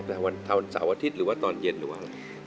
หรือวันเช้าอาทิตย์หรือว่าตอนเย็นหรือว่า